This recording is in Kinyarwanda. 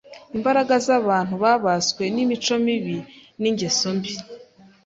Imbaraga z’abantu babaswe n’imico mibi, n’ingeso mbi,